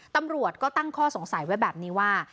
ตำรวจก็ตั้งข้อสงสัยไว้แบบนี้ว่า